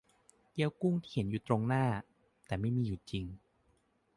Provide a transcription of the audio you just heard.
เกี๊ยวกุ้งที่เห็นอยู่ตรงหน้า แต่ไม่มีอยู่จริง